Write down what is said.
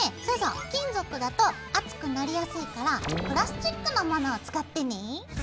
そうそう金属だと熱くなりやすいからプラスチックのモノを使ってね。